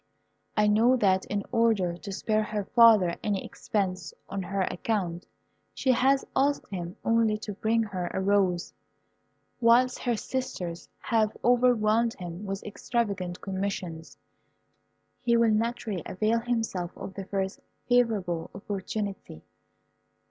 I know that in order to spare her father any expense on her account, she has asked him only to bring her a rose, whilst her sisters have overwhelmed him with extravagant commissions. He will naturally avail himself of the first favourable opportunity.